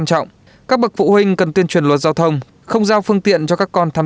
trọng các bậc phụ huynh cần tuyên truyền luật giao thông không giao phương tiện cho các con tham